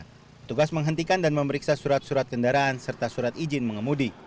petugas menghentikan dan memeriksa surat surat kendaraan serta surat izin mengemudi